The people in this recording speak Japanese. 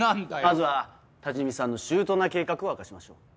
まずは多治見さんの周到な計画を明かしましょう。